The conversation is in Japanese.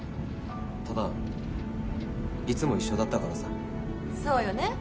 ただいつも一緒だったからさそうよね